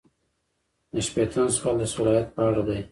نهه شپیتم سوال د صلاحیت په اړه دی.